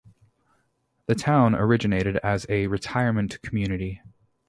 The town originated as a retirement community.